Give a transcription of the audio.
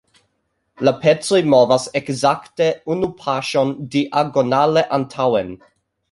La pecoj movas ekzakte unu paŝon diagonale antaŭen.